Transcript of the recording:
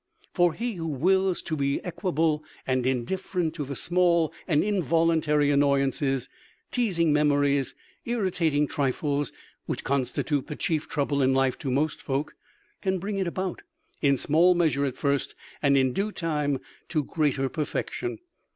For he who wills to be equable and indifferent to the small and involuntary annoyances, teasing memories, irritating trifles, which constitute the chief trouble in life to most folk, can bring it about, in small measure at first and in due time to greater perfection.